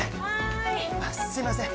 はいすいません